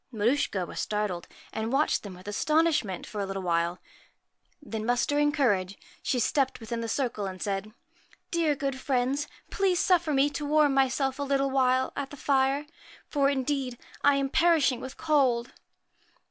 Maruschka was startled, and watched them with astonishment for a little while ; then muster ing courage, she stepped within the circle and said :' Dear, good friends, please suffer me to warm myself a little while at the fire, for, indeed, I am perishing with cold.'